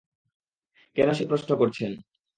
কেন সে প্রশ্ন করছেন?